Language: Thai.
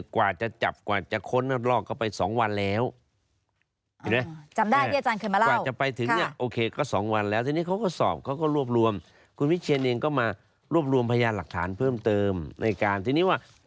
กว่าจะจับจะค้นแล้วลอกก็ไป๒วันแล้ว